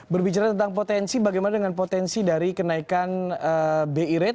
berbicara tentang potensi bagaimana dengan potensi dari kenaikan bi rate